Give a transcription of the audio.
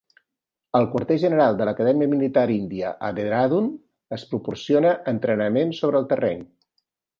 Al quarter general de l"Acadèmia Militar Índia a Dehradun es proporciona entrenament sobre el terreny.